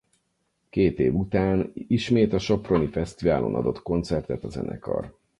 Két év után ismét a soproni fesztiválon adott koncertet a zenekar.